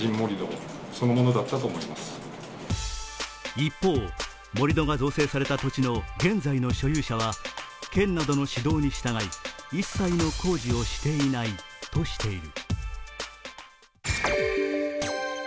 一方、盛り土が造成された土地の現在の所有者は県などの指導に従い、一切の工事をしていないとしている。